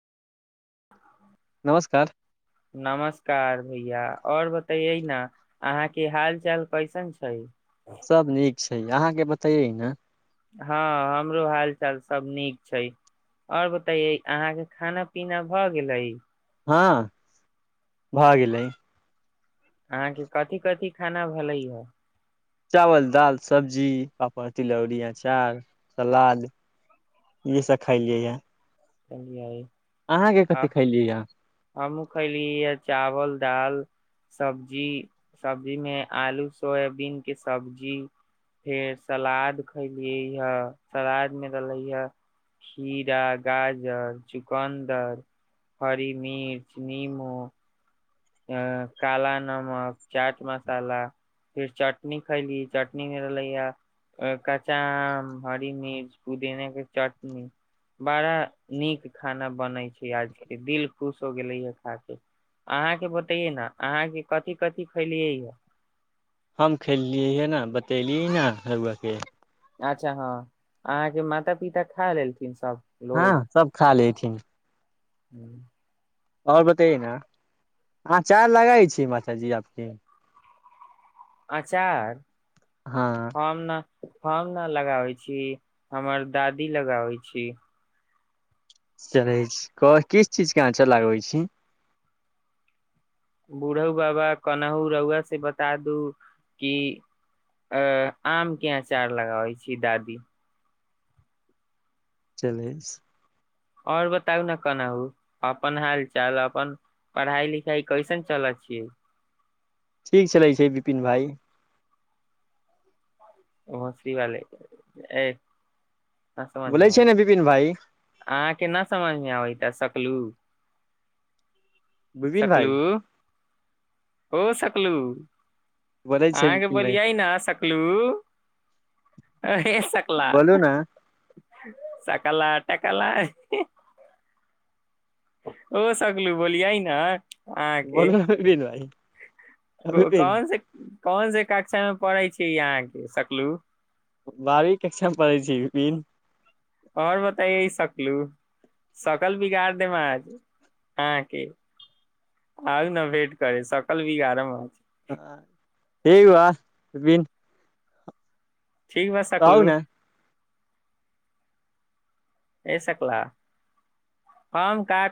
नमस्कार नमस्कार भैया और बतैये न अहााँ के हाल चाल कैसन छै सब नीक छै अहाँके बतैयै ने हँ हमरो हाल चाल सब नीक छै आओर बताये अहाँके खाना पीना भऽ गेलै हँ भए गेलै अहाँके कथी कथि खाना भेलै हए चावल दाल सब्जी पापड़ तिलौरी अँचार सलाद इहसभ खलियै हे कहियइ आ खैलियै ये हम खयली य चावल दाल सब्जी सब्जी मे आलू सोयाबीन के सब्जी फेर सलाद खलियै हे सलाद मे रहले ह खीरा गाजर चुकन्दर हरि मिर्च निमू हँ काला नमक चाट मसाला फेर चटनी खैली चटनी मे रहलैया कच्चा आम हरी मिर्च पुदेने के चटनी बड़ा नीक खाना बनैत छै आजके दिल खुश हो गेलैयए खा के अहाँके बतैये ने अहाँके कथिी कथिी फैलियै या हम खेलली हे ने बतेली ने हरुआके अच्छा हँ अहाँ के माता पिता खा लेलथि हँ सब खा लेथि तऽ ह्म [inaudible] आओर बतैए ने अहाँ चाय लगई छी मात जी आपके अचार हँ ने हम न लगाबै छी हमर दादी लगाबै छी चलै छी कह किस चीजके अह चल लगबै छी बूढ़ो बाबा कोनहु रौआ से बता दू कि अ आम के अचार लगाबै छी दादी चलै छी आओर बताउ ने कोना ह अपन हाल चाल अपन पढ़ाई लिखाई कैसन चलै छियै ठीक छलै छै बिपिन भाइ मशीवालै ए न समझमे बोलै छै आब ने विपिन भाई अहाँके न समझ मे आब त सकलू विपन भइ हो सकलू बोलै छै अहाँके विपिन भाई बोलियै ने सकलू एं ऐ सकला बोलू ने सकला टकला ओ सगलू बोल आइ ने बोल नु बिपन भाइ अ बिपिन कौन से कौन से कक्षा में पढ़ै छी यहाँ के सकलू बारी कक्षामे पढ़ै छी विपी आओर बताइ सकलू सकल बिगाड़ देम आज अहके आउ ने भेट करे सकल बिगाड़मज ह ठा बिपिन ठीक बात सकलु ने एहि सकला कम क